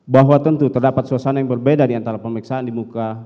bahwa tentu terdapat suasana yang berbeda di antara pemiksaan di muka